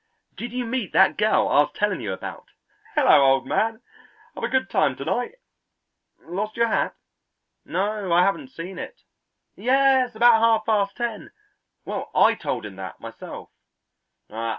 "Did you meet that girl I was telling you about?" "Hello, old man! have a good time to night?" "Lost your hat? No, I haven't seen it." "Yes, about half past ten!" "Well, I told him that myself!"